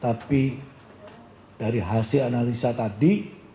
tapi dari hasil analisa tadi